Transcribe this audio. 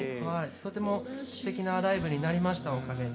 とてもすてきなライブになりましたおかげで。